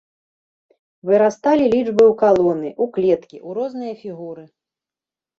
Вырасталі лічбы ў калоны, у клеткі, у розныя фігуры.